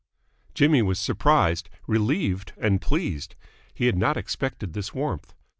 Jimmy was surprised, relieved, and pleased. He had not expected this warmth.